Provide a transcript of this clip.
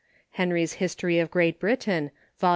Henry's History of Great Britain, vol.